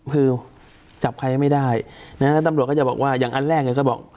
คือจับใครไม่ได้นะแล้วตำรวจก็จะบอกว่าอย่างอันแรกเนี่ยก็บอก